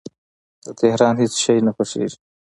د تهران هیڅ شی نه خوښیږي